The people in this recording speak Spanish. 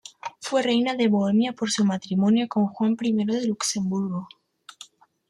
Fue reina de Bohemia por su matrimonio con Juan I de Luxemburgo.